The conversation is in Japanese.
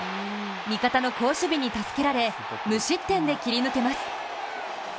味方の好守備に助けられ無失点で切り抜けます。